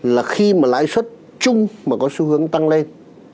là khi mà lãi suất chung mà có xu hướng tăng lên